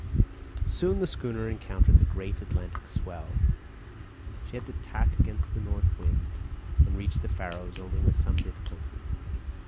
Soon the schooner encountered the great Atlantic swell; she had to tack against the north wind, and reached the Faroes only with some difficulty.